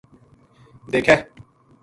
دیکھے